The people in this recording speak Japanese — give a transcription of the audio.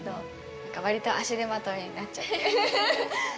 なんかわりと足手まといになっちゃって。